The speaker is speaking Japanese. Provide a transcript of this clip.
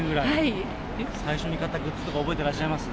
最初のグッズとか覚えてらっしゃいます？